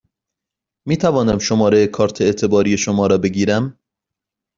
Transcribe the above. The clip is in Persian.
می توانم شماره کارت اعتباری شما را بگیرم؟